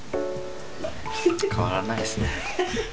変わらないですね。